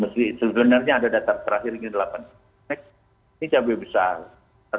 sebenarnya ada data terakhir ini ini cabai besar